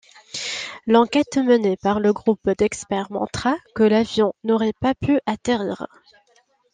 L'enquête menée par le groupe d'experts montra que l'avion n'aurait pas pu atterrir.